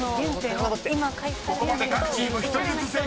［ここまで各チーム１人ずつ正解］